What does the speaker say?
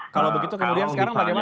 kalau begitu kemudian sekarang bagaimana